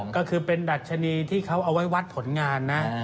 ก็คือเป็นดัชนีที่เขาเอาไว้วัดผลงานนะ